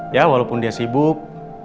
ya walaupun dia sibuk